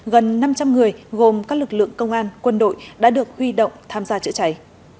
gần năm trăm linh người gồm các lực lượng công an quân đội đã được huy động tham gia chữa cháy